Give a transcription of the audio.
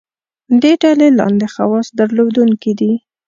دې ډلې لاندې خواص درلودونکي دي.